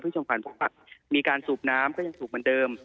พี่ช่องฝ่านพวกเรามีการสูบน้ำก็ยังสูบเหมือนเดิม